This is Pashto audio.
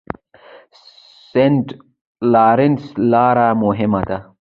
سینټ لارنس لاره مهمه ده.